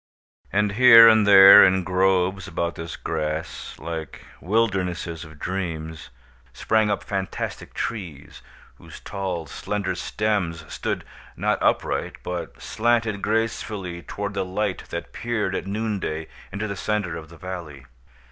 And, here and there, in groves about this grass, like wildernesses of dreams, sprang up fantastic trees, whose tall slender stems stood not upright, but slanted gracefully toward the light that peered at noon day into the centre of the valley.